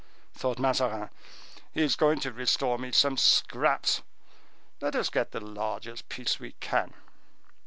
"Humph!" thought Mazarin, "he is going to restore me some scraps; let us get the largest piece we can."